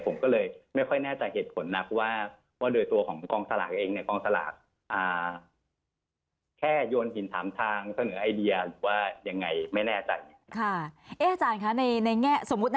ผมก็เลยไม่ค่อยน่าจะเหตุผลนะว่า